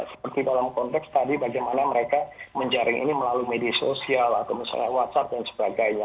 seperti dalam konteks tadi bagaimana mereka menjaring ini melalui media sosial atau misalnya whatsapp dan sebagainya